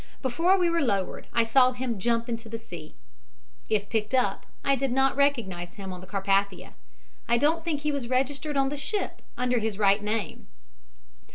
Before we were lowered I saw him jump into the sea. If picked up I did not recognize him on the Carpathia. I don't think he was registered on the ship under his right name."